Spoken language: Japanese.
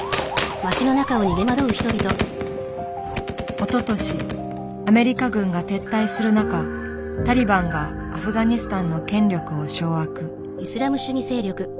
おととしアメリカ軍が撤退する中タリバンがアフガニスタンの権力を掌握。